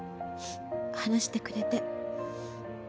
話してくれて。